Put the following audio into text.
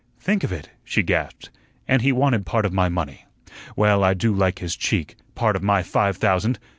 "Think of it!" she gasped; "and he wanted part of my money. Well, I do like his cheek; part of my five thousand!